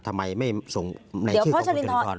ทำไมไม่ส่งในชื่อของคุณจรินทร